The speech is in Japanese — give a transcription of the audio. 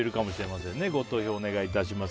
ご投票をお願いします。